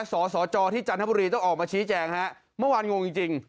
สสจที่จันทบุรีต้องออกมาชี้แจงฮะเมื่อวานงงจริง